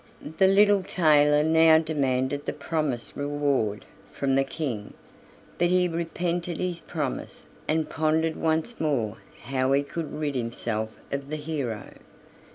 The little tailor now demanded the promised reward from the King, but he repented his promise, and pondered once more how he could rid himself of the hero.